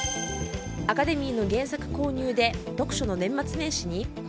アカデミーの原作購入で読書の年末年始に？